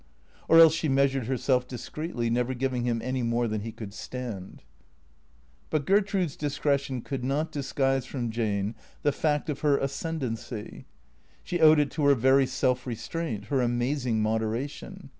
Or else she measured herself discreetly, never giving him any more than he could stand. But Gertrude's discretion could not disguise from Jane the fact of her ascendency. She owed it to her very self restraint, her amazing moderation.